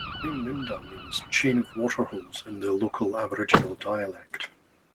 The name "Nundah" means "chain of water holes" in the local Aboriginal dialect.